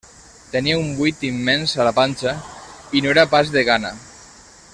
Tenia un buit immens a la panxa i no era pas de gana.